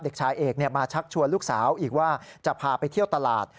เด็กชายเอกมาชักชวนลูกสาวอีกว่าจะพาไปเที่ยวตลาด